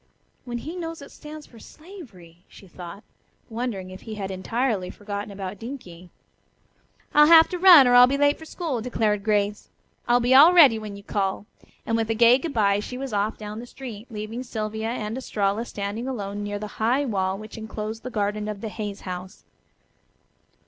"When he knows it stands for slavery," she thought, wondering if he had entirely forgotten about Dinkie. "I'll have to run, or I'll be late for school," declared Grace. "I'll be all ready when you call," and with a gay good bye she was off down the street, leaving Sylvia and Estralla standing alone near the high wall which enclosed the garden of the Hayes house.